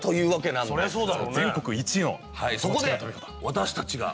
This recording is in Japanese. そこで私たちが。